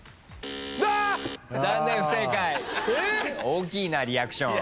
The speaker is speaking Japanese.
大きいなリアクション。